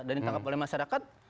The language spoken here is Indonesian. dan ditangkap oleh masyarakat